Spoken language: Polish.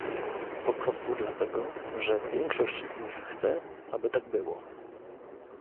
Po prostu dlatego, że większość z nich chce, aby tak było